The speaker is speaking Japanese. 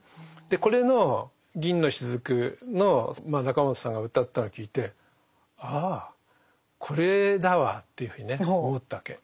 でこれの「銀の滴」の中本さんがうたったのを聞いて「ああこれだわ」というふうにね思ったわけ。